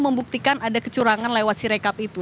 membuktikan ada kecurangan lewat sirekap itu